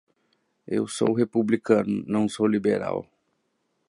Eu sou republicano, não sou liberal.